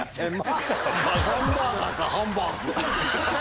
ハンバーガーかハンバーグ。